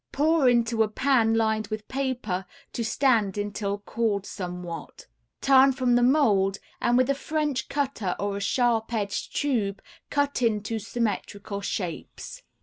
Pour into a pan lined with paper to stand until cooled somewhat; turn from the mold and with a French cutter or a sharp edged tube cut into symmetrical shapes.